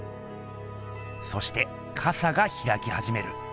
そしてかさがひらきはじめる。